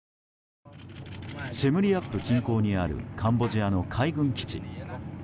シェムリアップ近郊にあるカンボジアの海軍基地。